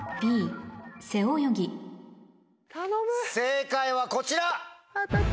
正解はこちら！